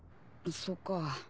そっか。